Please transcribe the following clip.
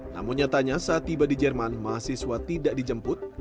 namun nyatanya saat tiba di jerman mahasiswa tidak dijemput